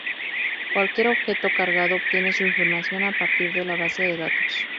Cualquier objeto cargado obtiene su información a partir de la base de datos.